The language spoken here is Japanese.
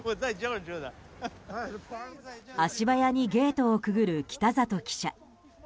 足早にゲートをくぐる北里記者。